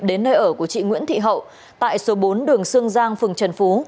đến nơi ở của chị nguyễn thị hậu tại số bốn đường sương giang phường trần phú